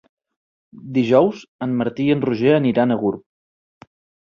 Dijous en Martí i en Roger aniran a Gurb.